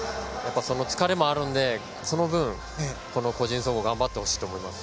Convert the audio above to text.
その疲れもあるのでその分、この個人総合頑張ってほしいと思います。